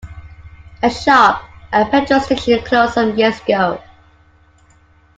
A shop, and petrol station closed some years ago.